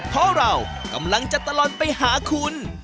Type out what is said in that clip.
เพราะเรากำลังจะตลอดไปหาคุณ